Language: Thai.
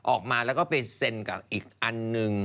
ออกมาแล้วก็ไปเซ็นกับอีกอันหนึ่ง